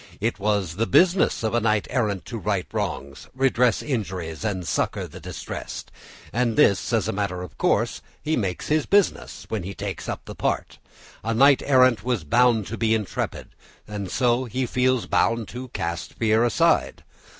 It was the business of a knight errant to right wrongs, redress injuries, and succour the distressed, and this, as a matter of course, he makes his business when he takes up the part; a knight errant was bound to be intrepid, and so he feels bound to cast fear aside.